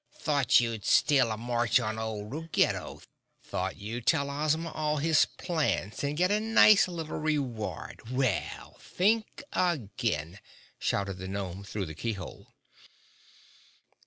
"Thought you'd steal a march on old Ruggedo; thought you'd tell Ozma all his plans and get a nice little reward! Well, think again!" shouted the gnome through the keyhole.